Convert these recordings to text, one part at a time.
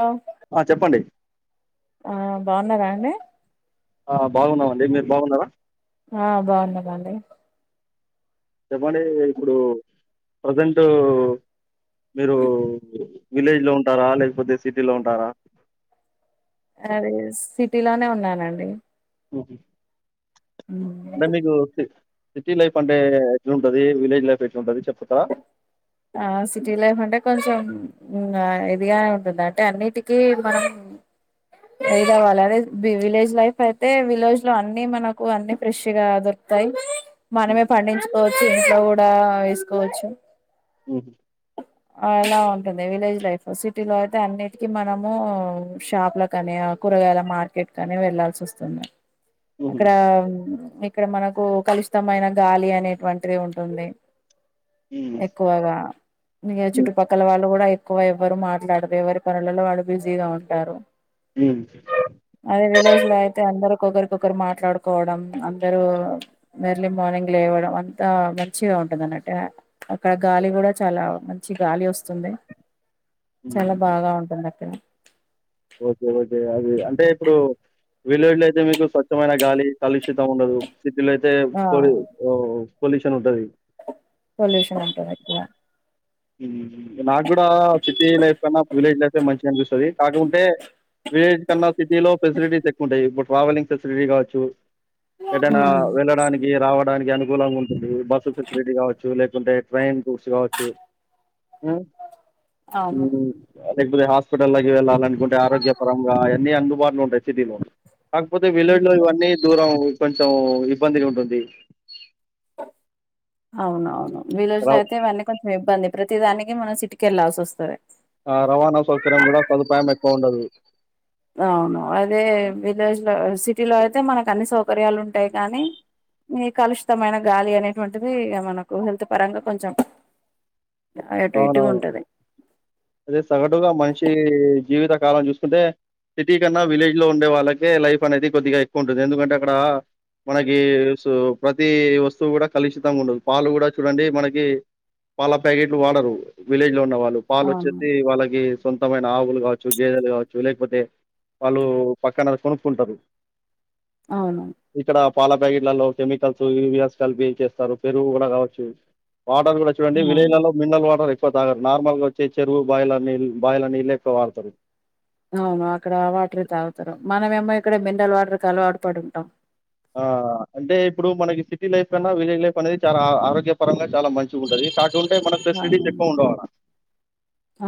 ఆ ఆ చెప్పండి ఆ బావున్నారా అండి ఆ బాగున్నామండి మీరు బాగున్నారా ఆ బావున్నానండి చెప్పండి ఇప్పుడు ప్రజెంటు మీరు విలేజ్ లో ఉంటారా లేకపోతే సిటీలో ఉంటారా అదే సిటీ లోనే ఉన్నానండి [unintelligible] [inaudible] మీకు సిటీ లైఫ్ అంటే ఎట్లుంటది విలేజ్ లైఫ్ ఎట్లుంటది చెప్తవా ఆ సిటీ లైఫ్ అంటే కొంచెం ఇదిగానే ఉంటుంది అంటే అన్నిటికీ మనం ఏది అవ్వాలి అదే విలేజ్ లైఫ్ అయితే విలేజ్ లో అన్ని మనకు అన్ని ఫ్రెష్ గా దొరుకుతాయి మనమే హ్మ్. పండించు కోవచ్చు ఇంట్లో కూడా వేసుకోవచ్చు ఊహూ ఆ ఎలా ఉంటుంది విలేజ్ లైఫ్ సిటీ లో అయితే అన్నిటికిీ మనము షాప్ లకని కూరగాయల మార్కెట్ కని వెళ్లాల్సోస్తుంది హుహు. అక్కడ ఇక్కడ మనకు కలుషితమైన గాలి అనేటువంటిది ఉంటుంది హ్మ్. ఎక్కువగా ఇగ హ్మ్. చుట్టుపక్కల వా వాళ్ళు కూడా ఎక్కువ ఎవ్వరు మాట్లాడదు ఎవరి పనులలో వాళ్ళు బిజీగా ఉంటారు హ్మ్. అదే విలజ్ లో అయితే అందరు కొకరికొకరు మాట్లాడుకోవడం అందరూ ఎర్లీ మార్నింగ్ లేవడం అంతా మంచిగా ఉంటుందిన్నట్టే అక్కడ గాలి గూడా చాలా మంచి గాలి వస్తుంది హ్మ్. చాలా బాగా ఉంటుంద ఓకే ఓకే అది అంటే ఇప్పుడు వీలేజ్ లో అయితే మీకు స్వచ్ఛమైన గాలి కలుషితం ఉండదు సిటీలయితే ఆ పొరు [unintelligible] పొల్యూషన్ ఉంటది పొల్యూషన్ ఉంటదిక్కడ మ్ మ్ నా [unintelligible] కూడా సిటీ లైఫ్ కన్నా విలేజ్ లైఫ్ మంచి అనిపిస్తుంది కాకుంటే విలేజ్ కన్నా సిటీలో ఫెసిలిటీస్ ఎక్కువ ఉంటాయి ఇప్పుడు ట్రావెలింగ్ ఫెసిలిటీ కావచ్చు ఎదైనా ఉమ్ వెళ్ళడానికి రావడానికి అను రంగా ఉంటుంది బస్సు ఫెసిలిటీ కావచ్చు లేకుంటే ట్రైన్స్ కావచ్చు మ్ అవును మ్ మ్ లేకపోతే హాస్పిటల్ లోకి వెళ్ళాలినుకుంటే ఆరోగ్యపరంగా అన్ని అందుబాటులో ఉంటాయి సిటీలో కాకపోతే ఉమ్ విలేజ్ లో ఇవన్నీ దూరం కొంచం ఇబ్బందిగ ఉంటుంది అవునవును విలోజు లో రవ అయితే ఇవన్నీ కొంచం ఇబ్బంది ప్రతి దానికి మనం సిటుకెళ్ళాల్సి వస్తుంది ఆ రవాణా సౌకర్యం కూడా సదుపాయం ఎక్కువ ఉండదు అవును అదే విలేజ్ లో సీ టిలో అయితే మనకు అన్ని సౌకర్యాలు ఉంటాయి కానీ మీ కలుషితమైన గాలి అనేటువంటిది మనకు హెల్త్ పరంగా కొంచెం అ అటు ఇటుగా అవునవును ఉంటది అదే సగటుగా మనిషి జీవిత కాలం చూసుకుంటే సిటీ కన్నా విలేజ్ లో ఉండే వాళ్ళకే లైఫ్ అనేది కొద్దిగా ఎక్కువ ఉంటుంది ఎందుకంటే అక్కడ మనకి ప్రతి వస్తువు కూడా కలుషితంగా ఉండదు పాలు కూడా చూడండి మనకి పాల ప్యాకెట్లు వాడరు విలేజ్ లో ఉన్నవాళ్ళు పాలు అవును వచ్చే వాళ్ళకి సొంతమైన ఆవులు కావచ్చు గేదెలు కావచ్చు లేకపోతే వాళ్ళు పక్కన కొనుక్కుంటారు అవును ఇక్కడ పాల ప్యాకెట్లలో కెమికల్స్ యురియాస్ కలిపి చేస్తారు పెరుగు కూడా కావచ్చు వాటర్ కూడా చూడండి విలేజ్ అవును లో మినరల్ వాటర్ ఎక్ లాగా నార్మల్గా వచ్చే చెరువు బా బాయల నీళ్ళెక్క వాడతారు అవును అక్కడ వాటర్ తాగుతారు మనమేమో ఇక్కడ మినరల్ వాటర్ కాలు వాటు పడు ఉంటాం ఆ అంటే ఇప్పుడు మనకి సిటీ లైఫ్ కన్నా విలేజ్ లైఫ్ అనేది చాలా ఆరోగ్యపరంగా చాలా మంచి ఉంటది కా మన అవునవును శధంచప్పంట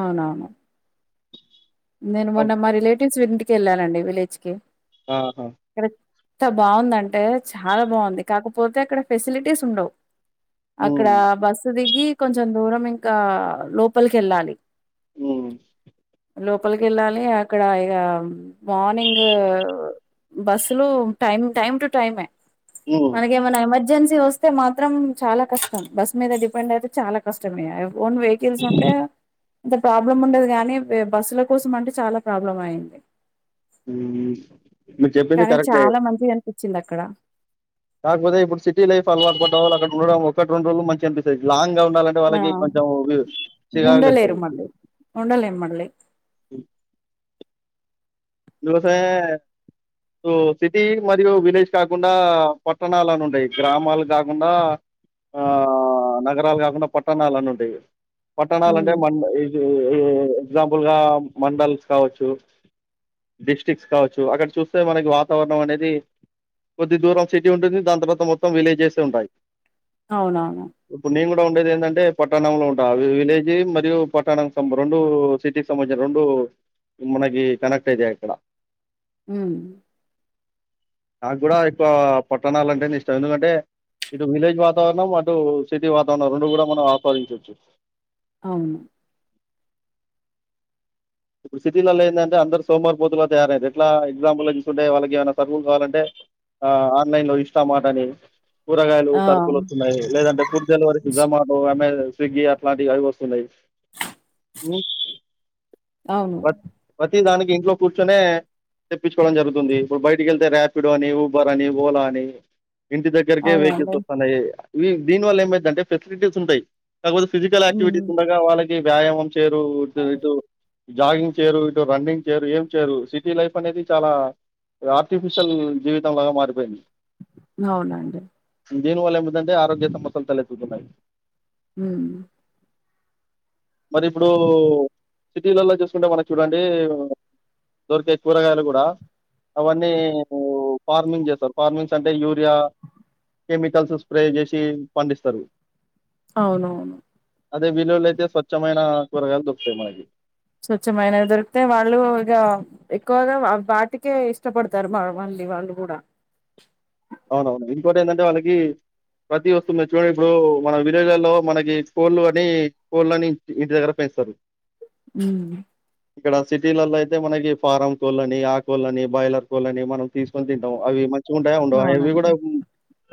అవునవును నేను మొన్న మా రిలేటివ్స్ వీరి వెళ్ళాలండి విలేజ్ కి ఆహా ంత బాగుందంటే చాలా బాగుంది కాకపోతే ఇక్కడ ఫెసిలిటీస్ ఉండవు అక్కడ హ్మ్. బస్సు దిగి కొంచెం దూరం ఇంకా లోపలికి వెళ్ళాలి అ లోపలికి వెళ్ళాలి అక్కడ ఇక మార్నింగ్ బస్సులు టైమ్ టైమ్ టు టైమే హ్మ్. మనే మన మధ్య ఎర్జెన్సీ వస్తే మాత్రం చాలా కష్టం బస్ మీద డిపెండ్ అయితే చాలా కష్టమే ఓన్ వెహికల్స్ ఉంటే ఇంత ప్రాబ్లం ఉండదు కాని బస్సుల కోసం అంటే చాలా ప్రాబ్లం అయ్యంది మీరు చెప్పింది కరెక్టే వచ్చింది అక్కడ కాకపోతే ఇప్పుడు సిటీ లైఫ్ అలవాటుపడ్డవాళ్ళు అక్కడ ఉడం ఒకటి రెండు రోజులు మంచి అపిస్తుంది లాంగ్ ఉండాలంటే ఆ వాళ్ళకి కొంచెం చిరాకు ఉండలేరు తెస్తుంది మళ్ళీ ఉండలేం మళ్ళీ ందుకోసమే సిటీ మరియు విలేజ్ కాకుండా పట్టణాలుని ఉండాయి గ్రామాలు కాకుండా ఆ నగరాలు కాకుండా పట్టణాలుని ఉండాయి పట్టణాలు అంటే ఉమ్ మ ఇ యే-ఎగ్జాంపుల్ గా మండల్స్ కావచ్చు డిస్టి్రిక్ట్స్ కావచ్చు అక్కడ చూస్తే మనకి వాతావరణం అనేది కొద్ది దూరం సిటీ ఉంటుంది దాని తర్వాత మొత్తం విలేజెస్ ఉంటాయి అవునవును ఉండేది ఏంటంటే పట్టాణంలో ఉంట విలేజ్ మరియు పట్టాణం రెండు సిటీ సంబంధించిన రెండు మనకి కనెక్ట్ తేజ ఎక్కడ హుమ్ నాకు కూడా ఎక్కువ పట్టణాలు అంటే ఇష్టం ఎందుకంటే ఇటు విలేజ్ వాతావరణం అటు సిటీ వాతావరణం రెండు కూడా మనం ఆస్వాదించవచ్చు అవును ఇప్పుడు సిటీలలో ఏంటంటే అందరూ సోమరిపోతులుగా తయారయ్యారు. ఎట్లా అంటే, ఒక ఎగ్జాంపుల్ తీసుకుంటే వాళ్ళకి ఏమైనా సర్వీసులు కావాలంటే ఆన్‌లైన్‌లో ఆర్డర్ పెట్టడమే ఇష్టం అన్నమాట కూరగాయలు, ఆ సరుకులు వస్తున్నాయి, లేదంటే ఫుడ్ డెలివరీకి జొమాటో, అమెజాన్ స్విగ్గీ అట్లాంటివి అవి వస్తున్నాయి అవును పతి పతి దానికి ఇంట్లో కూర్చొనినే తెప్పించుకోవడం జరుగుతుంది ఇప్పుడు బయటికి వెళ్తే ర్యాపిడో అని ఊబర్ అని ఓలా అని ఇంటి దగ్గరకే వెహికల్స్ అవునండి వస్తున్నాయి దీని వల్ల ఏమైందంటే ఫెసిలిటీస్ ఉంటాయి కాకపోతే ఫజికల్ యాక్టివిటీస్ ఉమ్ ఉండగా వాళ్ళకి వ్యాయామం చరువు ఇ జాగింగ్ చేయరు ఇటు రన్నింగ్ చేయరు ఏం చేయరు సిటీ లైఫ్ అనేది చాలా ఆర్టిఫిషియల్ జీవితం లాగా మారిపోయింది అవునండి దీనివల్ల ఏమైందంటే ఆరోగ్య సమస్యలు తలెత్తుతున్నాయి ఉమ్ మరి ఇప్పుడు... సిటీలలో చూసుకుంటే మనకి చూడండి దొరికే కూరగాయలు కూడా అవన్నీ ఫార్మింగ్ చేస్తారు ఫార్మింగ్స్ అంటే యూరియా కెమికల్స్ స్ప్రే చేసి పండిస్తారు అవునవును అదే విలేజ్ లో అయితే స్వచ్ఛమైన కూరగాయలు దొరుకుతాయి మనకి స్వచ్ఛమైనవి దొరికితే వాళ్ళు ఇక ఎక్కువగా వాటికే ఇష్టపడతారు మళ్ళీ వాళ్ళు కూడా అవునవును ఇంకోటి ఏంటంటే వాళ్ళకి ప్రతి వస్తువు మీరు చూడండి ఇప్పుడు మన విలేజ్లలో మనకి కోళ్ళు అని కోళ్ళని ఇంటి దగ్గర పెంచుతారు ఉమ్ ఇక్కడ సిటీలలో అయితే మనకి ఫారం కోళ్ళని, ఆ కోళ్లని, బాయిలర్ కోళ్ళని మనం తీసుకొని తింటం అవి మంచిగా ఉంటాయా ఉండ్ డవ ఏవి అవునండి కూడా హ్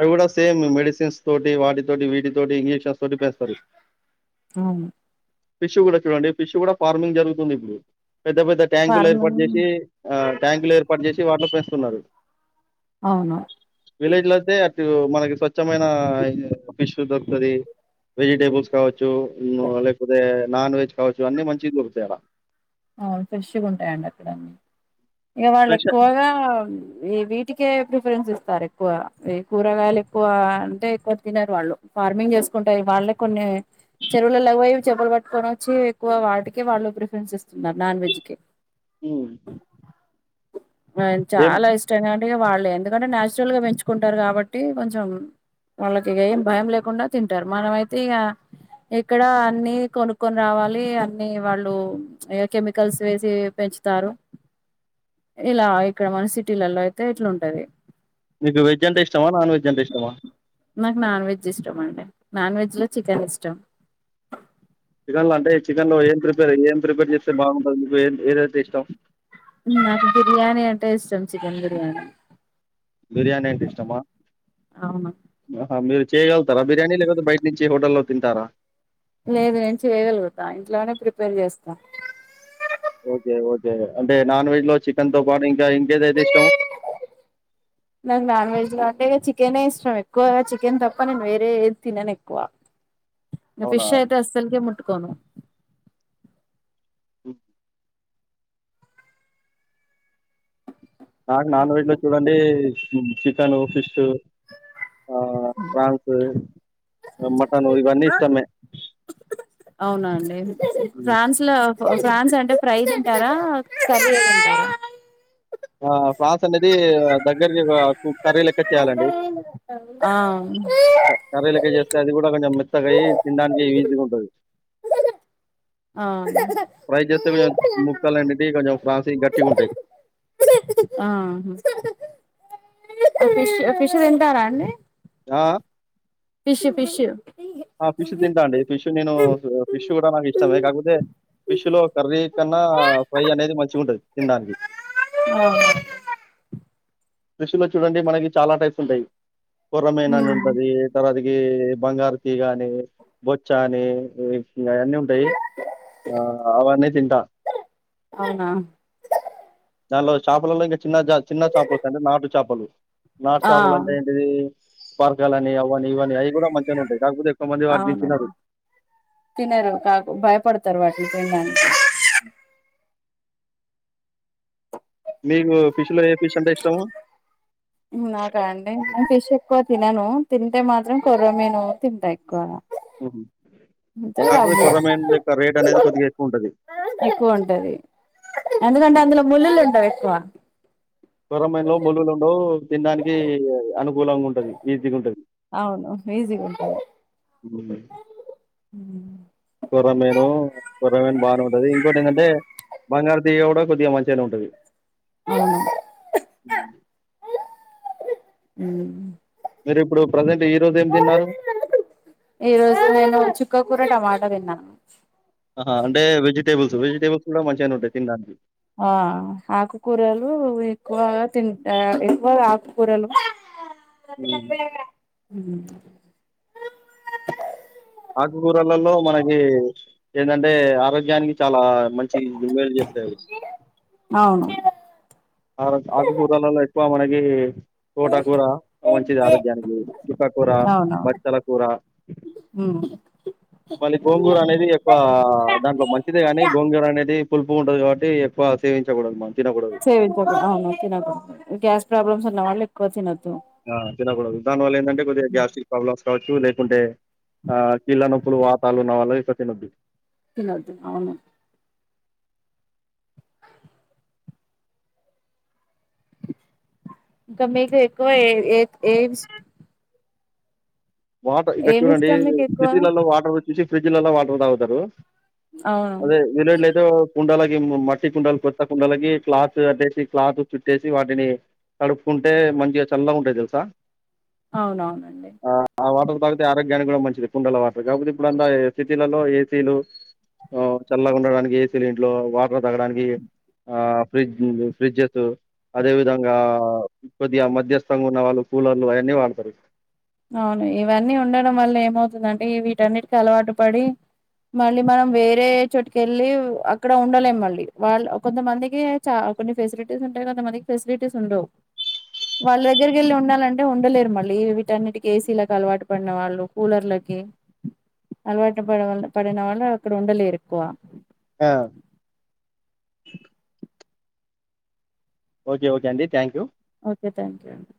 అవి కూడా సేమ్ మెడిసిన్స్ తోటి, వాటితోటి, వీటి తోటి, ఇంజెక్షన్ సోటి పెంస్తారు అవును ఫిష్ కూడా చూడండి. పిష్ కూడా ఫార్మింగ్ జరుగుతుంది ఇబ్బుడు పెద్ద పెద్ద ట్యాంకులు ఏర్పాటు ఫార్మింగ్ జేసి ఆ ట్యాంకులు ఏర్పాటు జేసి వాట్లో పెంచుతున్నారు అవును విలేజ్లైతే అట్ టు మనకి స్వచ్ఛమైన ఆయా ఫిష్ దూర్కతది. వెజిటేబుల్స్ కావచ్చు, ను లేకపోతే నాన్ వెజ్ కావచ్చు అన్ని మంచిగ్ దొరుక్తాయి అడా అవును ఫ్రెష్గా ఉంటాయండి. అక్కడ అన్నీ ఇగ ఫ్రెష్ వాళ్లేకువగా ఈ వీటికే ప్రిఫరెన్స్ ఇస్తారు. ఎక్కువ ఈ కూరగాయలు ఎక్కువ అంటే ఎక్కువ తినరు వాళ్ళు. ఫార్మింగ్ చేసుకుంటే వాళ్లే కొన్ని చెరువులలోబోయి చెపలు పట్టుకొని వచ్చి ఎక్కువ వాటికే వాళ్ళు ప్రిఫరెన్స్ ఇస్త్ నార్ నాన్ వెెజకే హ్మ్. బాయిన్ ఏం చాలా ఇష్టంగా డిగ వాళ్ళే ఎందుకంటే నచురల్ గా పెంచుకుంటారు. కాబట్టి కొంచెం వాళ్ళకి ఏం భయం లేకుండా తింటారు. మనమైతే ఇగ ఇక్కడ అన్ని కొనుక్కొని రావాలి అన్ని వాళ్ళు ఇ కెమికల్స్ వేసి పెంచుతారు. ఇలా ఇక్కడ మన సిటీలలో అయితే ఇట్లుంటది మీకు వెజ్ అంటే ఇష్టమా నాన్ వెజ్ అంటే ఇష్టమా నాక్ నాన్ వెజ్ ఇష్టం అండి. నాన్ వెజ్ లో చికెన్ ఇష్టం చికెన్ లో అంటే చికెన్ లో ఏం ప్రిపేర్ ఏం ప్రిపేర్ చేస్తే బాగుంటది. మీకు ఏంది ఏదైతే ఇష్టం నాకు బిర్యాణి అంటే ఇష్టం. చికెన్ బిర్యాణి బిర్యాణి అంటె ఇష్టమా అవును చేయగలుగుతారా బిర్యానీ. లేకపోతే బయట్నించి హోటల్లో తింటారా లేదు నేన్ చేయగలుగుత ఇంట్లోనే ప్రిపేర్ చేస్తా ఓకే ఓకే అంటే నాన్ వెజ్ లో చికెన్ తో పాటు ఇంకా ఇం నాక్ నాన్ వెజ్లో టే చికెనే ఇష్టం. ఎక్కువగా చికెన్ తప్ప నేను వేరే ఏద్ తిననేక్కువ ఇంగ్ అవునా ఫిష్ అయితే అస్సల కె ముట్టుకొను హ్ నాక్ నాన్ వెజ్ లో చూడండి హ్మ్ చికను, ఫిషూ ఆ ప్రాన్స్, ఆ మటను ఇవన్నీ ఇష్టమే అవునా ఆండీ ఫ్రాన్స్ లో ఫ్రాన్స్ అంటే ఫ్రైజ్ ఉంటారా కర్లె ఉంటారా ఆ ఫ్రాస్ అనేది దగ్గర జేయ కర్రీ లెక్క చేయాలండి ఆ మెత్తగై తిండానికి ఈజీ గుంటది ఆ ప్రై చేస్తే కొంచెం ముక్కలనేటివి కొంచెం ఫ్రాన్స్ గట్టిగా ఉంటాయి ఆ ఫిష్ ఫిష్ తింటారా అండి ఆ పిష్ పిష్ ఆ ఫిష్ తింటా అండి ఫిష్ నేను ఫిష్ కూడా నాకు ఇష్టమే కాకపోతే ఫిష్ లో కర్రీ కన్నా ఫ్రై అనేది మంచిగ ఉంటది తినడానికి ఆ రుచిలో చూడండి మనకి చాలా టైప్స్ ఉంటాయి కొర్రమినా అని హ్మ్ ఉంటది తరవాత గే బంగారు ఇగానే బొచ్చాని ఇగ ఆయన్నీ ఉంటాయి ఆ అవన్నీ తింటా అవునా దాన్లో చాపులల్లో చిన్న చ చిన్న చేపల కంటే నాటు చేపలు నాట్ ఆ చాపలు అంటే ఏంటిది బర్గల అని అవనీ ఇవని అవి కూడా మంచిగానే ఉంటాయి నాకూడ అవున తినరు కాక్ భయపడతారు వాటి తినడానికి మీకు ఫిష్ లో ఏ ఫిష్ అంటే ఇష్టము నాకా అండి నేను ఫిష్ ఎక్కువ తినను తింటే మాత్రం కొర్ర మీను తింటా ఎక్కువగా కాకపోతే కొర్రమీను రేట్ అనేది కొద్దిగా ఎక్కువ ఉంటది ఎందుకంట అందులో ముల్లులుండవ్ ఎక్కవగా కొర్రమీనులో ముల్లులు ఉండవు తినడానికి అనుకూలంగా ఉంటది ఈజీగా ఉంటది అవును ఈజిగా ఉంటది ఉమ్. కొర్రమీను కొర్రమీను బాగానే ఉంటది ఇంకోటి ఏంటంటే బంగారు తీయ కూడా కొద్దిగా మంచిగానే ఉంటుంది అవును ఉ ఊ మీరు ఇప్పుడు ప్రజెంట్ ఈ రోజు ఏం తిన్నారు ఈరోజు నేను చుక్క కూర టమాటా ముద్ద తిన్నా ఆ అంటే వెజిటబుల్స్ వెజటేబుల్స్ కూడా మంచిగనే ఉంటాయి తినడానికి ఆ ఆకుకూరలు ఎక్కువగా తింటా ఎక్కువగా ఆకుకూరలు ఉమ్. అదిఅదేగా అ ఆకుకూరలలో మనకి ఎందంటే ఆరోగ్యానికి చాలా మంచి మేలు చేతది అవును ఆకుకూరల ఎక్కువ మనకి తోటాకూర మంచిది ఆరోగ్యానికి చిక్కకూర అవునవును బచ్చల కూూర ఉమ్. మళ్ళీ గోంగూర అనేది ఎక్కువ దాంట్లో మంచిదే కాగాని గోంగూర అనేది పులుపు ఉంటది కాబట్టి ఎక్కువ సేవించకూడదు మనం తిన కూడదు సేవించకూడదు అవును తినదు గ్యాస్ ప్రాబ్లమ్స్ ఉన్న వాళ్ళు ఎక్కువ తినద్దు ఆ తినకడదు దానీవల్ల ఏంటంటే కొద్దిగ గ్యాస్ స్టిక్ ప్రాబ్లమ్స్ కావచ్చు లేకుంటే ఆ కీళ్ళ నొప్పులు వాతళ ఉన్న వాళ్ళ ఇక తినద్దు తీన్నదు అవును ఇంకా మీకు ఎక్కువ ఏ ఏ వాటర్ ఇక్క ఏమి చూడండి ఇష్టం మీకు ఎక్కువ సిటీలలో వాటర్ వ చూసి ఫ్రిడ్జ్ లలా వాటర్ తాగుతారు అవును అదే విలుడ్లతే కుండలకి మట్టి కుండలు కొత్త కుండలకి క్లాత్ అట్టేసి క్లాత్ చుట్టేసి వాటిని తడుపుకుంటే మంచిగా చల్లగ ఉంటాయి తెలుసా అవునవునండి ఆ వాటర్ తాగితే ఆరోగ్యానికి కూడా మంచిది కుండల వాటర్ కాకపోతే ఇప్పుడుంత సిటీలలో ఏసీలు చల్లగా ఉండడానికి ఏసీలు ఇంట్లో వాటర్ తాగడానికి ఆ ఫ్రిజ ఫ్రిడ్జెస్ అదే విధంగా కొద్దిగా మధ్యస్థంగా ఉన్న వాళ్ళు కూలర్లు అవన్నీ వాడతారు అవును ఇవన్నీ ఉండడం వల్ల ఏమవుతుంది అంటే ఈ వీటన్నిటికిీ అలవాటు పడి మళ్ళీ మనం వేరే చోటుకి వెళ్ళి అక్కడ ఉండలేం మళ్ళీ వాళ్ళ కొంతమందికి చ కొన్ని ఫెసిలిటీస్ ఉంటాయి కొంతమందికి ఫెసిలిటీస్ ఉండవు వాళ్ళ దగ్గరికి వెళ్ళి ఉండాలంటే ఉండలేరు మళ్ళీ వీటన్నిటికి ఏసీలకు అలవాటు పడిన వాళ్ళు కూలర్లకి అలవాటు పడ పడిన వాళ్ళు అక్కడ ఉండలేరు ఎక్కువ ఆ ఒకే ఒకే అండి thank you okay thank you అండి